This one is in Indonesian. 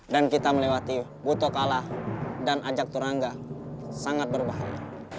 dan kita melewati butokala dan ajak turangga sangat berbahaya